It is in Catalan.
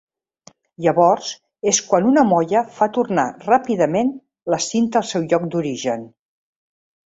Llavors és quan una molla fa tornar ràpidament la cinta al seu lloc d’origen.